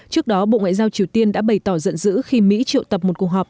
trước đó bộ ngoại giao triều tiên đã bày tỏ giận dữ khi mỹ triệu tập một cuộc họp